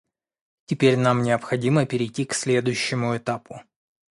Теперь нам необходимо перейти к следующему этапу.